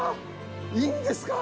いいんですか？